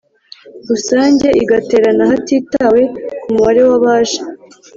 Rusange igaterana hatitawe ku mubare w abaje